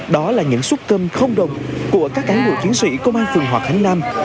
đó là những xuất cơm không đồng của các cán bộ chiến sĩ công an phường hòa khánh nam